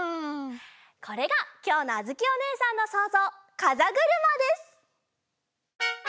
これがきょうのあづきおねえさんのそうぞうかざぐるまです！